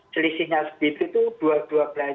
selisihnya segitu itu dua dua belas